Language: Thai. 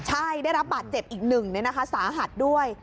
ใช่ได้รับบาดเจ็บอีกหนึ่งเนี้ยนะคะสาหัสด้วย